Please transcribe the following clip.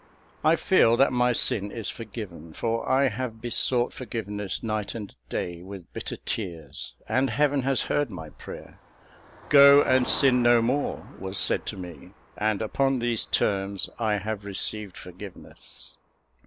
I feel that my sin is forgiven; for I have besought forgiveness night and day, with bitter tears, and Heaven has heard my prayer. 'Go, and sin no more,' was said to me; and upon these terms I have received forgiveness.